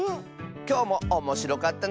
きょうもおもしろかったね！